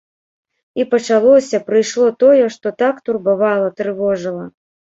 І пачалося, прыйшло тое, што так турбавала, трывожыла.